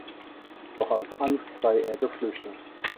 Doch aus Angst sei er geflüchtet.